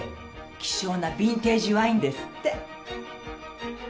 希少なビンテージワインですって。